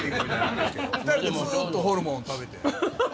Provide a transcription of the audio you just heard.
２人でずっとホルモン食べて。